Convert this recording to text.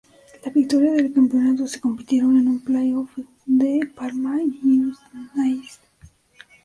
La victoria del campeonato si compitieron en un play-off de Parma y Udinese.